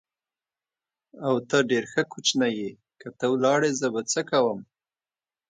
او، ته ډېر ښه کوچنی یې، که ته ولاړې زه به څه کوم؟